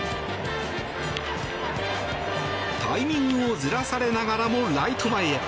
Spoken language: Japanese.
タイミングをずらされながらもライト前へ。